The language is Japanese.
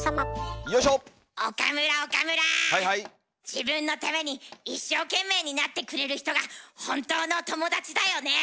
自分のために一生懸命になってくれる人が本当の友達だよねえ。